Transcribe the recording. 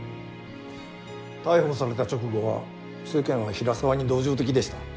逮捕された直後は世間は平沢に同情的でした。